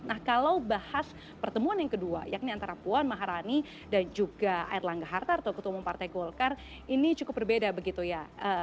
nah kalau bahas pertemuan yang kedua yakni antara puan maharani dan juga air langga hartarto ketua umum partai golkar ini cukup berbeda begitu ya